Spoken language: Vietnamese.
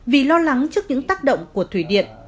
vì lo lắng trước những tác động của thủy điện